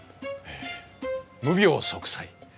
無病息災。